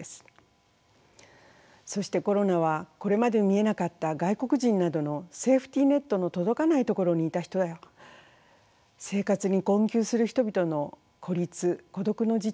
そしてコロナはこれまで見えなかった外国人などのセーフティーネットの届かないところにいた人や生活に困窮する人々の孤立孤独の実態も浮き彫りにしました。